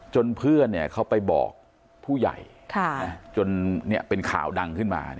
เพื่อนเขาไปบอกผู้ใหญ่จนเป็นข่าวดังขึ้นมา